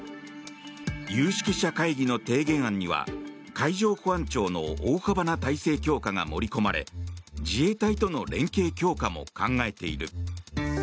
有識者会議の提言案には海上保安庁の大幅な体制強化が盛り込まれ自衛隊との連携強化も考えている。